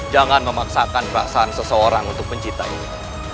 jangan memaksakan perasaan seseorang untuk mencintaimu